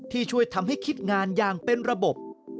ช่วยทำให้คิดงานอย่างเป็นระบบ